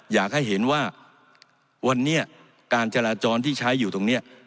อยากให้เห็นว่าวันนี้การจราจรที่ใช้อยู่ตรงนี้